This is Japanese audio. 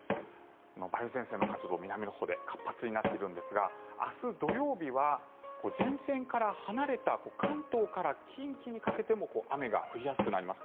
梅雨前線の活動、南のほうで活発になっているんですが明日土曜日は前線から離れた関東から近畿にかけても雨が降りやすくなります。